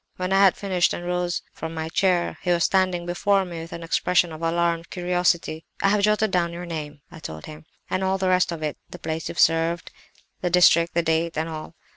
When I had finished and rose from my chair he was standing before me with an expression of alarmed curiosity. "'I have jotted down your name,' I told him, 'and all the rest of it—the place you served at, the district, the date, and all.